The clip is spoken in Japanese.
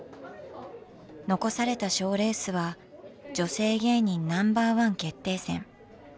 残された賞レースは女性芸人Ｎｏ．１決定戦。